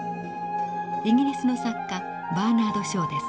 イギリスの作家バーナード＝ショーです。